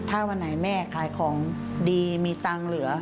ถ้าวันไหนแม่ขายของดีมีตังค์เหลือ